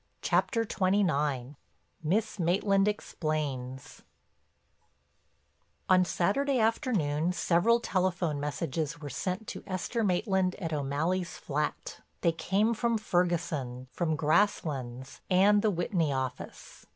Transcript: CHAPTER XXIX—MISS MAITLAND EXPLAINS On Saturday afternoon several telephone messages were sent to Esther Maitland at O'Malley's flat. They came from Ferguson, from Grasslands, and the Whitney office.